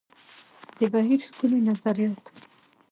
د بهیر ښکلي نظریات.